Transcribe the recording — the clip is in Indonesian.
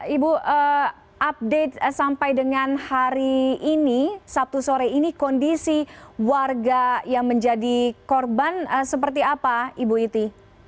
ibu update sampai dengan hari ini sabtu sore ini kondisi warga yang menjadi korban seperti apa ibu iti